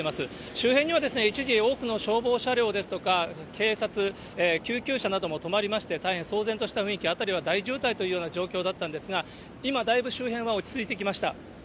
周辺には一時、多くの消防車両ですとか警察、救急車なども止まりまして、大変騒然とした雰囲気、辺りは大渋滞というような状況だったんですが、今、だいぶ周辺は落ち着いてきました。